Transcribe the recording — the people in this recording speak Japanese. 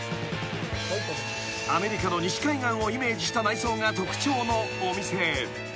［アメリカの西海岸をイメージした内装が特徴のお店］